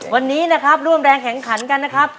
วันนี้นะครับร่วมแรงแข่งขันกันนะครับ